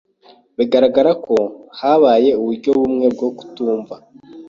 Biragaragara ko habaye uburyo bumwe bwo kutumva.